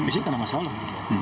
fisik kan masalah